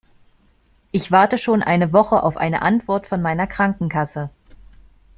Ich warte schon eine Woche auf eine Antwort von meiner Krankenkasse.